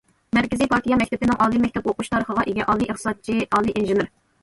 مەركىزىي پارتىيە مەكتىپىنىڭ ئالىي مەكتەپ ئوقۇش تارىخىغا ئىگە، ئالىي ئىقتىسادچى، ئالىي ئىنژېنېر.